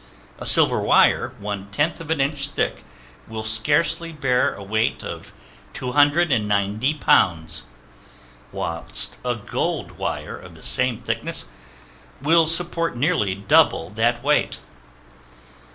A silver wire one tenth of an inch thick will scarcely bear a weight of 290 pounds, whilst a gold wire of the same thickness will support nearly double that weight.